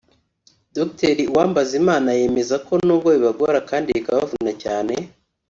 Dr Uwambazimana yemeza ko nubwo bibagora kandi bikabavuna cyane